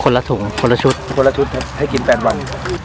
ละถุงคนละชุดคนละชุดครับให้กิน๘วัน